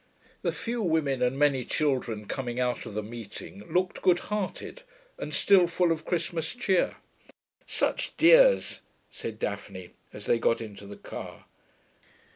The few women and many children coming out of the meeting looked good hearted, and still full of Christmas cheer. 'Such dears,' said Daphne, as they got into the car.